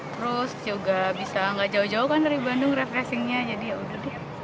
terus juga bisa nggak jauh jauh kan dari bandung refreshing nya jadi ya udah deh